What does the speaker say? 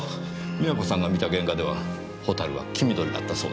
美和子さんが見た原画ではホタルは黄緑だったそうです。